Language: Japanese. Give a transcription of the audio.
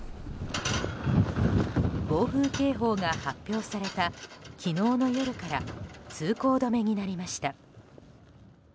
暴風警報が発表された昨日の夜から通行止めになりました。